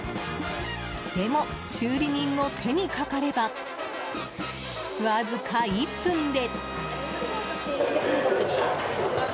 でも、修理人の手にかかればわずか１分で。